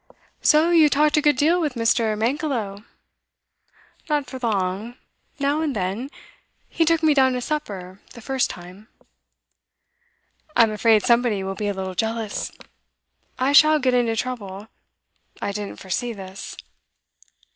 'So you talked a good deal with Mr. Mankelow?' 'Not for long. Now and then. He took me down to supper the first time.' 'I'm afraid somebody will be a little jealous. I shall get into trouble. I didn't foresee this.